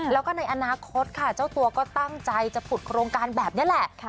แล้วก็ในอนาคตค่ะเจ้าตัวก็ตั้งใจจะฝึกโครงการแบบนี้แหละ